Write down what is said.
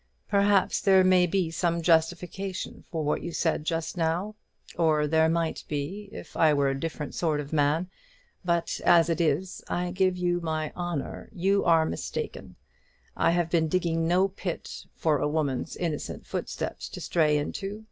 Perhaps there may be some justification for what you said just now, or there might be, if I were a different sort of man. But, as it is, I give you my honour you are mistaken. I have been digging no pit for a woman's innocent footsteps to stray into.